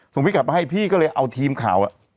พี่กลับมาให้พี่ก็เลยเอาทีมข่าว